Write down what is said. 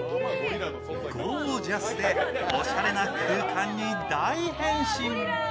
ゴージャスでおしゃれな空間に大変身。